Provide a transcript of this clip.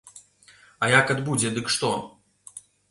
А як адбудзе, дык што?